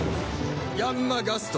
ヤンマ・ガスト。